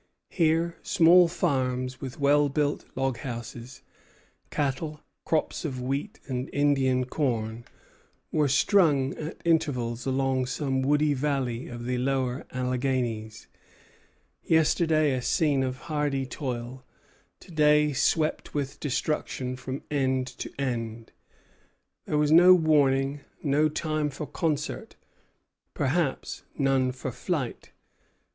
Here, small farms with well built log houses, cattle, crops of wheat and Indian corn, were strung at intervals along some woody valley of the lower Alleghanies: yesterday a scene of hardy toil; to day swept with destruction from end to end. There was no warning; no time for concert, perhaps none for flight.